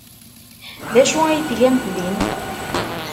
D acu ay tgamt din?